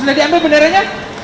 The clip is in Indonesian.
ada dimana tuh bendera nya